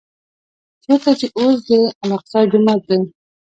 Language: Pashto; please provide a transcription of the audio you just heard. چېرته چې اوس د الاقصی جومات دی.